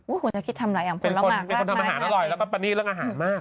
ผู้ชักฤทธิ์ทำหลายอย่างผลไม้มากเป็นคนทำอาหารอร่อยแล้วก็ตอนนี้เรื่องอาหารมาก